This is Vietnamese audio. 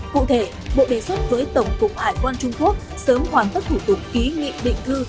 cụ thể bộ đề xuất với tổng cục hải quan trung quốc sớm hoàn tất thủ tục ký nghị định thư